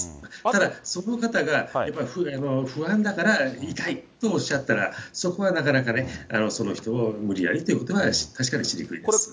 ただ、その方が不安だからいたいとおっしゃったら、そこはなかなかね、その人を無理やりということは、確かにしにくいです。